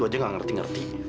saya tidak mengerti